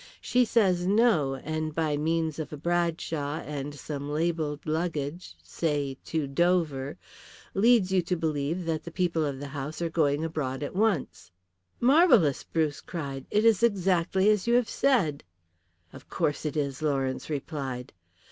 She says no, and by means of a Bradshaw and some labelled luggage say to Dover leads you to believe that the people of the house are going abroad at once." "Marvellous!" Bruce cried. "It is exactly as you have said." "Of course it is," Lawrence replied.